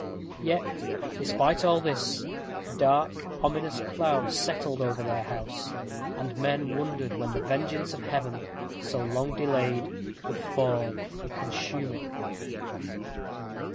Yet, despite all this, a dark, ominous cloud settled over their house, and men wondered when the vengeance of Heaven, so long delayed, would fall and consume it.